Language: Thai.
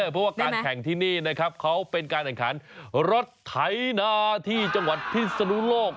เพราะว่าการแข่งที่นี่นะครับเขาเป็นการแข่งขันรถไถนาที่จังหวัดพิศนุโลก